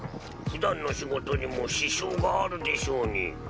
ふだんの仕事にも支障があるでしょうに。